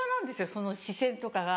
その視線とかが。